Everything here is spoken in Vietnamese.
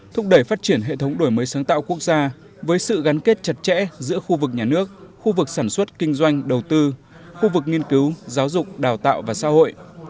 thúc đẩy phát triển hệ thống đổi mới sáng tạo quốc gia với sự gắn kết chặt chẽ giữa khu vực nhà nước khu vực sản xuất kinh doanh đầu tư khu vực nghiên cứu giáo dục đào tạo và xã hội